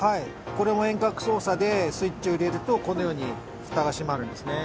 これも遠隔操作でスイッチを入れるとこのようにフタが閉まるんですね。